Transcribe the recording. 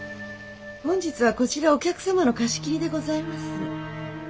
本日はこちらお客様の貸し切りでございます。